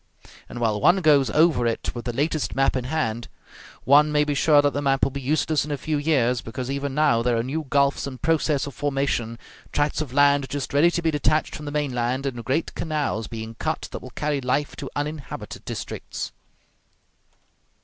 And while one goes over it with the latest map in hand, one may be sure that the map will be useless in a few years, because even now there are new gulfs in process of formation, tracts of land just ready to be detached from the mainland, and great canals being cut that will carry life to uninhabited districts.